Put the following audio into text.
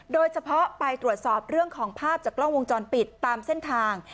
โดยเฉพาะไปตรวจสอบเรื่องของภาพจากกล้องวงจรปิดตามเส้นทาง